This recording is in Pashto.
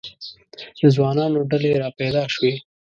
د ځوانانو ډلې را پیدا شوې.